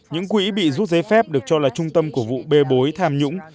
những quỹ bị rút giấy phép được cho là trung tâm của vụ bê bối tham nhũng